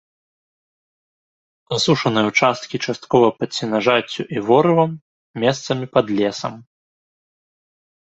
Асушаныя ўчасткі часткова пад сенажаццю і ворывам, месцамі пад лесам.